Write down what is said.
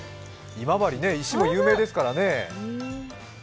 今治、石も有名ですからね。